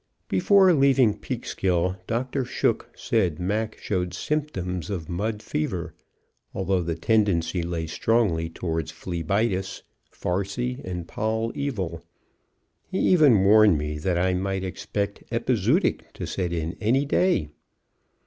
Before leaving Peekskill, Dr. Shook said Mac showed symptoms of mud fever, although the tendency lay strongly toward phlebitus, farcy, and poll evil. He even warned me that I might expect epizootic to set in any day.